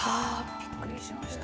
びっくりしました。